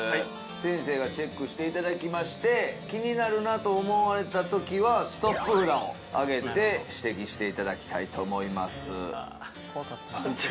先生がチェックしていただきまして気になるなと思われたときはＳＴＯＰ札を上げて指摘していただきたいと思います